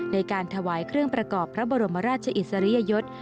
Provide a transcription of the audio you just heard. ในการถวายเครื่องประกอบพระบรมราชอิสริยยศ